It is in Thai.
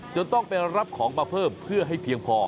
ต้องไปรับของมาเพิ่มเพื่อให้เพียงพอ